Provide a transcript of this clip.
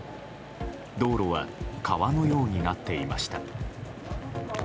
道路は川のようになっていました。